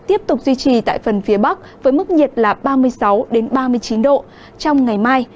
tiếp tục duy trì tại phần phía bắc với mức nhiệt là ba mươi sáu ba mươi chín độ trong ngày mai